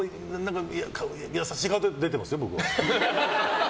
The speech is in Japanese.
優しい顔で出てますよ、僕は。